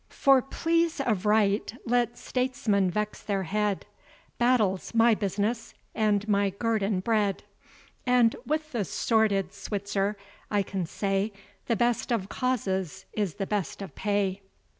For pleas of right let statesmen vex their head, Battle's my business, and my guerdon bread; And, with the sworded Switzer, I can say, The best of causes is the best of pay.